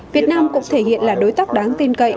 việt nam cũng thể hiện là đối tác đáng tin cậy